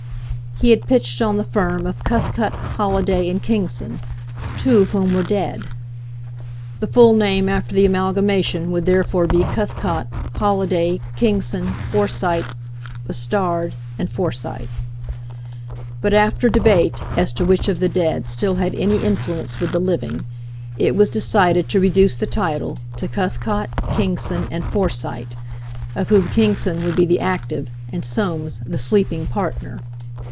He had pitched on the firm of Cuthcott, Holliday and Kingson, two of whom were dead. The full name after the amalgamation would therefore be Cuthcott, Holliday, Kingson, Forsyte, Bustard and Forsyte. But after debate as to which of the dead still had any influence with the living, it was decided to reduce the title to Cuthcott, Kingson and Forsyte, of whom Kingson would be the active and Soames the sleeping partner.